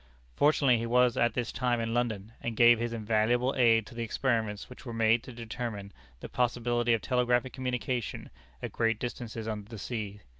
Fortunately he was at this time in London, and gave his invaluable aid to the experiments which were made to determine the possibility of telegraphic communication at great distances under the sea.